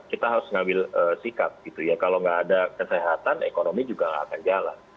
kita harus mengambil sikap gitu ya kalau nggak ada kesehatan ekonomi juga nggak akan jalan